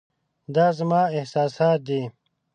دا زما احساسات دي .